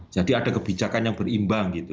jadi ada kebijakan yang berimbang